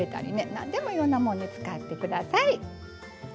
なんでもいろんなもんに使ってください。